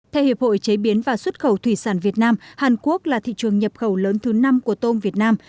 theo hiệp hội chế biến và xuất khẩu thủy sản việt nam hàn quốc là thị trường nhập khẩu lớn thứ năm của tôm việt nam